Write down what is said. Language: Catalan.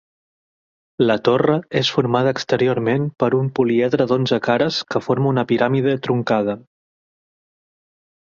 La torre és formada exteriorment per un poliedre d'onze cares que forma una piràmide truncada.